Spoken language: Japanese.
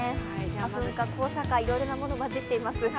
花粉か、黄砂か、いろんなものが混じっています。